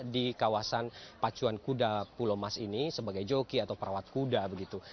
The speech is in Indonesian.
di kawasan pacuan kuda pulau mas ini sebagai joki atau perawat kuda begitu